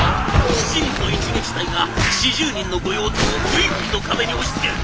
７人の一撃隊が４０人の御用盗をグイグイと壁に押しつける！